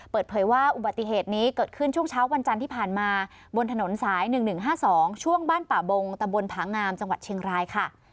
เปิดเผยว่าอุบัติเหตุนี้เกิดขึ้นช่วงเช้าวันจันทร์ที่ผ่านมาบนถนนสาย๑๑๕๒ช่วงบ้านป่าบงตะบนผางามจังหวัดเชียงรายค่ะ